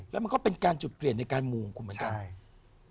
แล้วมันก็เป็นการจุดเปลี่ยนในการมูลของคุณบ้าง